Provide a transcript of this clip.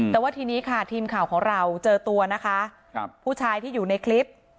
แต่ว่าทีนี้ค่ะทีมข่าวของเราเจอตัวนะคะผู้ชายที่อยู่ในคลิป